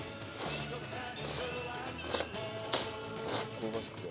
香ばしくて。